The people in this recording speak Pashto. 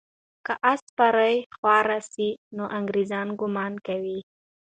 که آس سپاره خواره سي، نو انګریزان ګمان کوي.